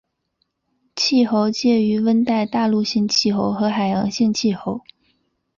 气候介于温带大陆性气候和海洋性气候。